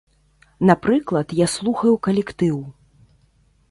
Напрыклад, я слухаю калектыў.